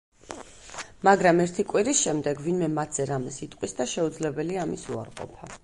მაგრამ ერთი კვირის შემდეგ ვინმე მათზე რამეს იტყვის და შეუძლებელია ამის უარყოფა.